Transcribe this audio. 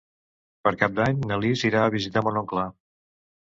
Per Cap d'Any na Lis irà a visitar mon oncle.